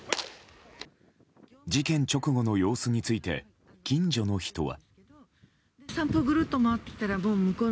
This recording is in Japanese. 事件直後の様子について近所の人は。